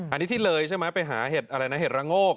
อันนี้ที่เลยใช่ไหมไปหาเห็ดอะไรนะเห็ดระโงก